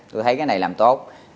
tôi thấy cái này làm tốt